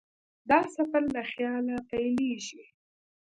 دا سفر له خیال پیلېږي.